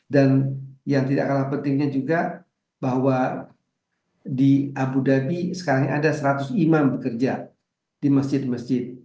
dan yang tidak kalah pentingnya juga bahwa di abu dhabi sekarang ini ada seratus imam bekerja di masjid masjid